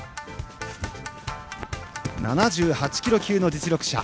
７８キロ級の実力者